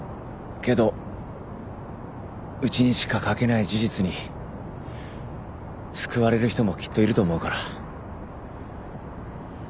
けどうちにしか書けない事実に救われる人もきっといると思うから。